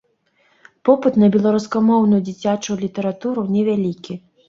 Попыт на беларускамоўную дзіцячую літаратуру невялікі.